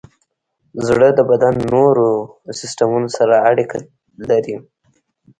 زړه د بدن د نورو سیستمونو سره اړیکه لري.